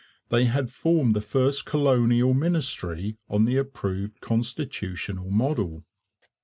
They had formed the first colonial ministry on the approved constitutional model.